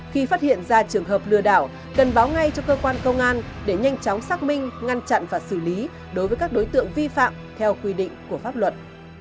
khi phát hiện ra trường hợp lừa đảo cần báo ngay cho cơ quan công an để nhanh chóng xác minh ngăn chặn và xử lý đối với các đối tượng vi phạm theo quy định của pháp luật